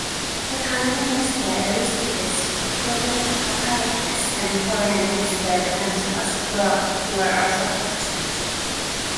Economy Minister Aristidis Protopapadakis and Foreign Minister Evangelos Averoff were also present.